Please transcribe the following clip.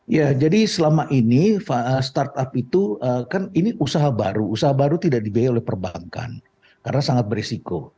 ya jadi selama ini startup itu kan ini usaha baru usaha baru tidak dibiayai oleh perbankan karena sangat berisiko